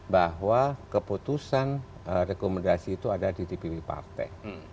bahwa keputusan rekomendasi itu ada di dpp partai